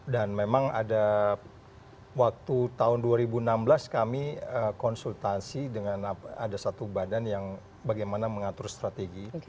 dan memang ada waktu tahun dua ribu enam belas kami konsultasi dengan ada satu badan yang bagaimana mengatur strategi